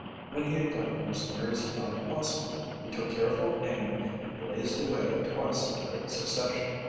When he had gotten as near as he thought possible, he took careful aim and blazed away twice in quick succession.